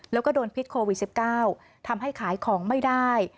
แล้วก็โดนพิษโควิด๑๙ทำให้ขายของไม่ได้